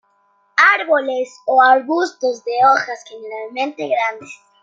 Árboles o arbustos de hojas generalmente grandes.